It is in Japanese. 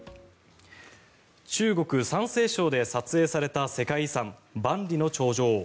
中国・山西省で撮影された世界遺産、万里の長城。